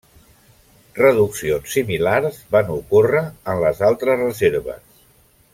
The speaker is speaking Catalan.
Reduccions similars van ocórrer en les altres reserves.